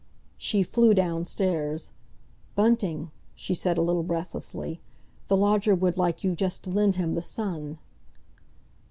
She flew downstairs. "Bunting," she said a little breathlessly, "the lodger would like you just to lend him the Sun."